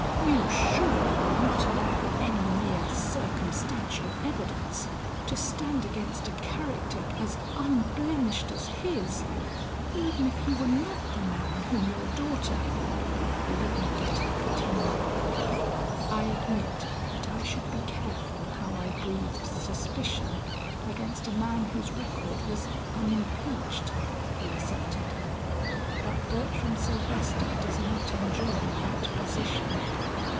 "You surely would not allow any mere circumstantial evidence to stand against a character as unblemished as his, even if he were not the man whom your daughter " He would not let her continue. "I admit that I should be careful how I breathed suspicion against a man whose record was unimpeached," he assented, "but Bertram Sylvester does not enjoy that position.